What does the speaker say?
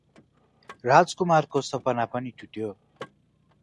राजकुमारको सपना पनि टुट्यो ।